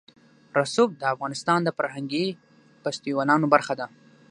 رسوب د افغانستان د فرهنګي فستیوالونو برخه ده.